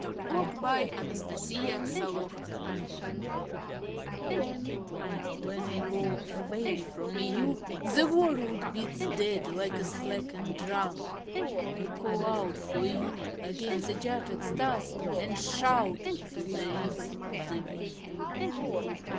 Dearest of my Heart! The Taxi When I go away from you The world beats dead Like a slackened drum. I call out for you against the jutted stars And shout into the ridges of the wind.